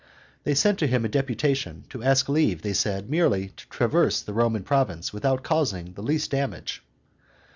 They sent to him a deputation, to ask leave, they said, merely to traverse the Roman province without causing the least damage.